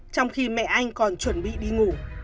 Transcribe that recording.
trong khi mẹ anh còn chuẩn bị đi ngủ